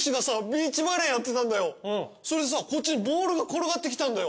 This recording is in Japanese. それでさこっちにボールが転がってきたんだよ。